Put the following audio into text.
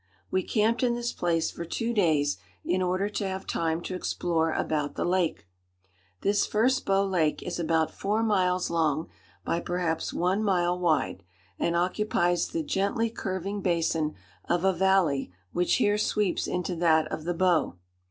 We camped in this place for two days in order to have time to explore about the lake. This first Bow Lake is about four miles long, by perhaps one mile wide, and occupies the gently curving basin of a valley which here sweeps into that of the Bow.